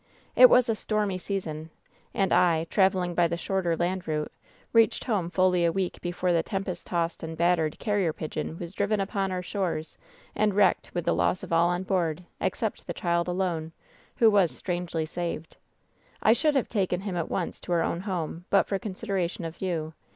It was a stormy season, and I, traveling by the shorter land route, reached home fully a week before WHEN SHADOWS DIE 266 the tempest tossed and battered Carrier Pigeon was driven upon our shores and wrecked with the loss of all on board, except the child alone, who was strangely saved. I should have taken him at once to our own home but for consideration of you.